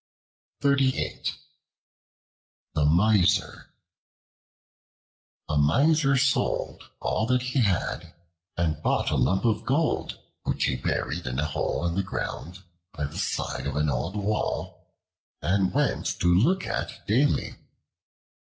The Miser A MISER sold all that he had and bought a lump of gold, which he buried in a hole in the ground by the side of an old wall and went to look at daily.